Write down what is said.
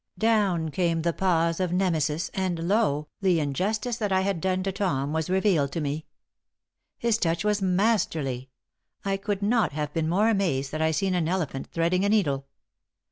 Down came the paws of Nemesis, and lo, the injustice that I had done to Tom was revealed to me. His touch was masterly. I could not have been more amazed had I seen an elephant threading a needle.